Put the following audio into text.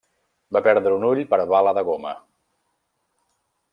Va perdre un ull per bala de goma.